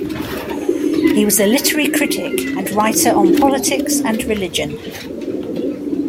He was a literary critic and writer on politics and religion.